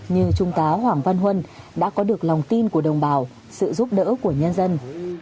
như trung tá hoàng văn huân đã có được lòng tin của đồng bào sự giúp đỡ của nhân dân